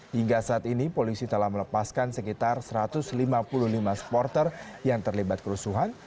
hingga saat ini polisi telah melepaskan sekitar satu ratus lima puluh lima supporter yang terlibat kerusuhan